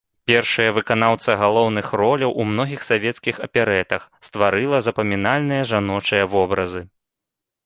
Першая выканаўца галоўных роляў у многіх савецкіх аперэтах, стварыла запамінальныя жаночыя вобразы.